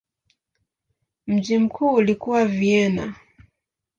Mji mkuu ulikuwa Vienna.